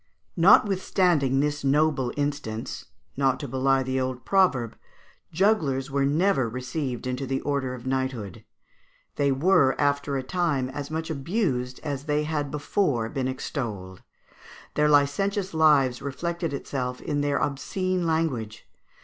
Notwithstanding this noble instance, not to belie the old proverb, jugglers were never received into the order of knighthood. They were, after a time, as much abused as they had before been extolled. Their licentious lives reflected itself in their obscene language.